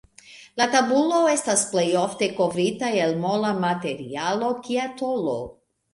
La tabulo estas plej ofte kovrita el mola materialo kia tolo.